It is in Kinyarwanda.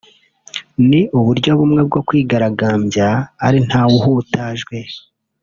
ni uburyo bumwe bwo kwigaragambya ari ntawe uhutajwe